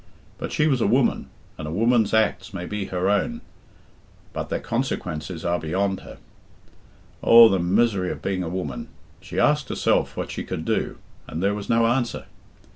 But she was a woman, and a woman's acts may be her own, but their consequences are beyond her. Oh, the misery of being a woman! She asked herself what she could do, and there was no answer.